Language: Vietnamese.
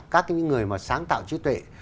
các những người mà sáng tạo trí tuệ